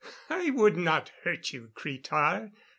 "I would not hurt you, Cretar!